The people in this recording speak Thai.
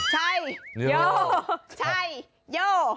ใช่โย